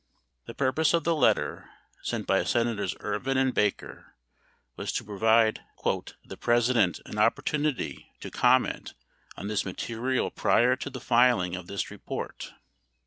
The purpose of the letter, sent by Senators Ervin and Baker, was to provide "the Presi dent an opportunity to comment on this material prior to the filing of this report."